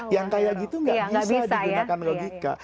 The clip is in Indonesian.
yang kayak gitu nggak bisa digunakan logika